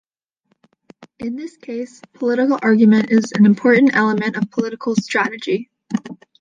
In this case, political argument is an important element of political strategy.